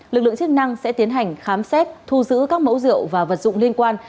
lực lượng chức năng sẽ tiến hành khám xét thu giữ các mẫu rượu và vật dụng liên quan